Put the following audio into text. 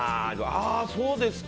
ああ、そうですか。